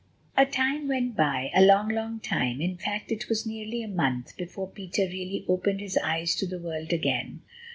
A time went by, a long, long time—in fact it was nearly a month—before Peter really opened his eyes to the world again.